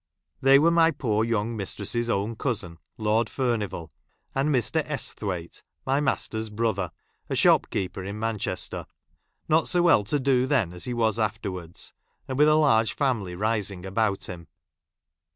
They were my || poor young mistress's own cousin, Lord |l Furnivall, and Mr. Esthwaite, my master's 1 brother, a shopkeeper in Manchester ; not so 1! well to do then, as he was afterwards, and :j with a large family rising about him.